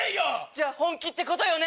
じゃあ本気ってことよね？